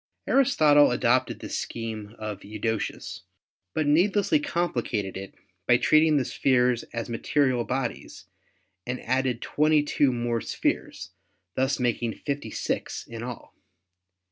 Aristotle adopted this scheme of Eudoxus, but need lessly complicated it by treating the spheres as material bodies and added 22 more spheres, thus making 56 in all.